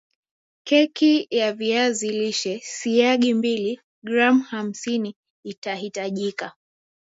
keki ya viazi lishe siagi mbili gram hamsini itahitajika